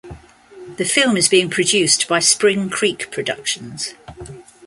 The film is being produced by Spring Creek Productions.